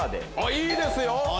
いいですよ！